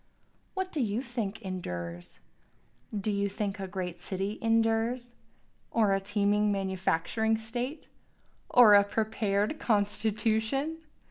What do you think endures? Do you think a great city endures? Or a teeming manufacturing state? or a prepared constitution?